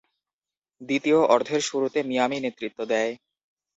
দ্বিতীয় অর্ধের শুরুতে মিয়ামি নেতৃত্ব দেয়।